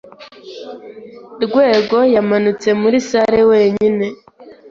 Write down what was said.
Rwego yamanutse muri salle wenyine.